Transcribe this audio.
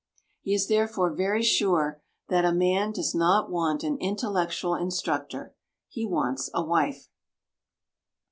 He is therefore very sure that "a man does not want an intellectual instructor: he wants a wife."